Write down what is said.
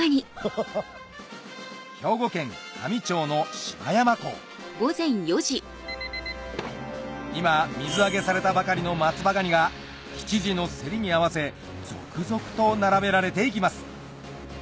兵庫県香美町の今水揚げされたばかりの松葉ガニが７時の競りに合わせ続々と並べられていきます